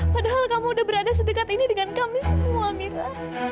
padahal kamu udah berada sedekat ini dengan kami semua mitra